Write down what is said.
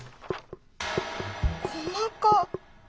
細かっ。